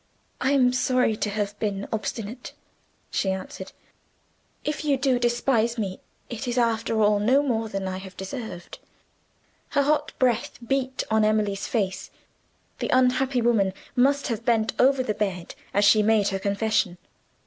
"I am sorry to have been obstinate," she answered. "If you do despise me, it is after all no more than I have deserved." Her hot breath beat on Emily's face: the unhappy woman must have bent over the bed as she made her confession.